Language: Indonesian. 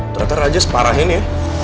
ternyata raja separahin ya